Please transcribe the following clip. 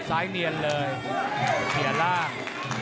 ซ้ายเนียนเลยเสียล่าง